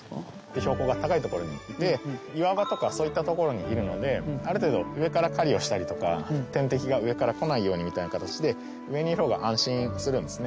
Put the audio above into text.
標高が高い所にいて岩場とかそういった所にいるのである程度上から狩りをしたりとか天敵が上から来ないようにみたいな形で上にいる方が安心するんですね。